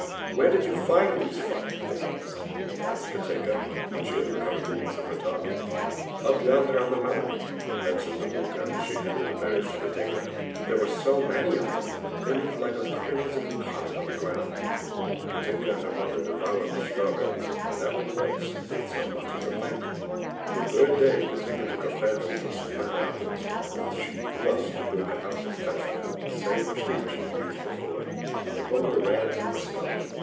"Where did you find these fine things?" asked Katinka when she had recovered the use of her tongue. "Up yonder on the mountain," answered Dobrunka as she handed the berries to Katinka, "there were so many of them, that they looked like a crimson carpet on the ground." Katinka and her mother devoured the strawberries and never once said so much as a "Thank you." The third day, Katinka took a fancy for some red apples, and she thrust Dobrunka out to fetch them with the same threat she had used before. Dobrunka ran through the snow.